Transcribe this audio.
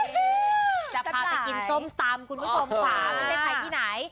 เธอจะพาไปกินส้มซำคุณผู้ชมฝ่าหรืออีกใครที่ไหน